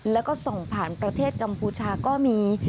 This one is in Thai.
แล้วก็ส่งผ่านประเทศกัมพูชาก็มี